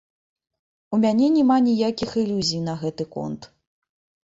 У мяне няма ніякіх ілюзій на гэты конт.